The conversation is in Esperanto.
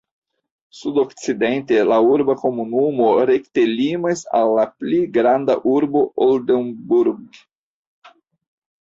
Sudokcidente la urba komunumo rekte limas al la pli granda urbo Oldenburg.